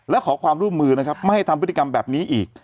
และขอความร่วมมือนะครับไม่ให้ทำพฤติกรรมแบบนี้อีก